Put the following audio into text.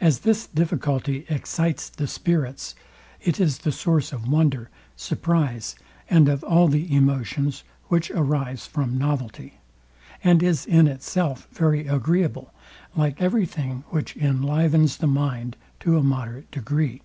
As this difficulty excites the spirits, it is the source of wonder, surprize, and of all the emotions, which arise from novelty; and is in itself very agreeable, like every thing, which inlivens the mind to a moderate degree.